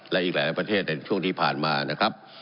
และอีกหลายประเทศในช่วงที่ผ่านมานะครับ